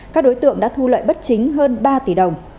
các đối tượng đã thu lợi bất chính hơn ba tỷ đồng